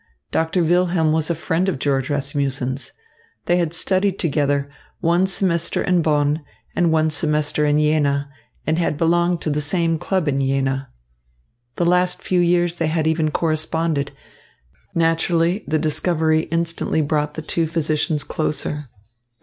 Doctor Wilhelm was a friend of George Rasmussen's. They had studied together, one semester in Bonn and one semester in Jena, and had belonged to the same club in Jena. The last few years they had even corresponded. Naturally, the discovery instantly brought the two physicians closer.